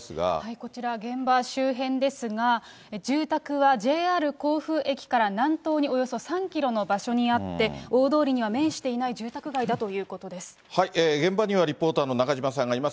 こちら現場周辺ですが、住宅はＪＲ甲府駅から南東におよそ３キロの場所にあって、大通りには面していない現場にはリポーターの中島さんがいます。